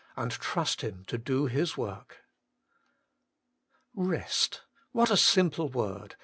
And trust Him to do His work. 8. Rest I what a simple word.